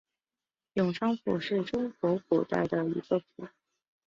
永昌府是中国古代的一个府。